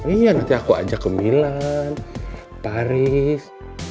iya nanti aku ajak ke milan paris